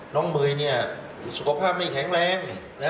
น้องเมยนี่สุขภาพไม่แข็งแรง